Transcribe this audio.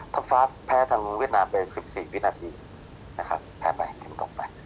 ฟ้าแพ้ทางเวียดนามไป๑๔วินาทีนะครับแพ้ไปเกมต่อไป